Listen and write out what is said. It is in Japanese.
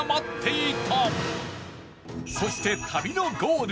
そして旅のゴール